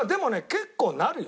結構なるよ。